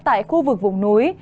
tại khu vực vùng núi